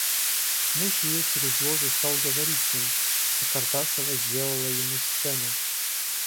Муж ее через ложу стал говорить с ней, а Картасова сделала ему сцену.